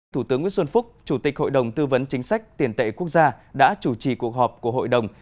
thủ tướng nguyễn xuân phúc chủ tịch hội đồng tư vấn chính sách tiền tệ quốc gia đã chủ trì cuộc họp của hội đồng